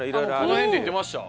この辺って言ってました？